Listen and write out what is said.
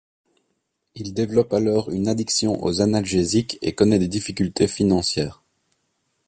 Il développe alors une addiction aux analgésiques et connait des difficultés financières.